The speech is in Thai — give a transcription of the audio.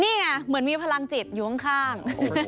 นี่ไงเหมือนมีพลังจิตอยู่ข้าง